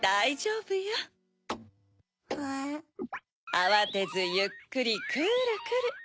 あわてずゆっくりくるくる。